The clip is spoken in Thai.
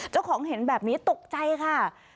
เจ้าของเห็นแบบนี้ตกใจค่ะ